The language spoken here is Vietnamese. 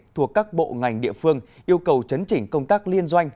thuộc các bộ ngành địa phương yêu cầu chấn chỉnh công tác liên doanh